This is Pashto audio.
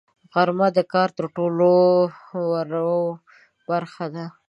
غرمه د کار تر ټولو وروه برخه ده